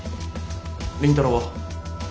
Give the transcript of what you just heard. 倫太郎は？